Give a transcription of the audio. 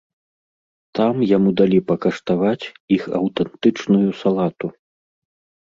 Там яму далі пакаштаваць іх аўтэнтычную салату.